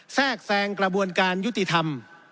แทรกแทรงกระบวนการยุติธรรม